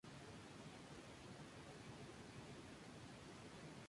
Estas suelen ser en número de dos pero pueden ascender a cuatro o seis.